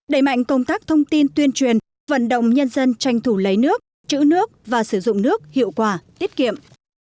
đẩy mạnh công tác thông tin tuyên truyền vận động nhân dân tranh thủ lấy nước chữ nước và sử dụng nước hiệu quả tiết kiệm